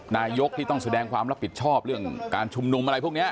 นายกที่ต้องแสดงความรับผิดชอบเรื่องการชุมนุมอะไรพวกนี้